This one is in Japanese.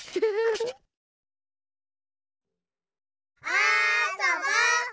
あそぼ！